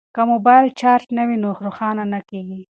که موبایل چارج نه وي نو نه روښانه کیږي.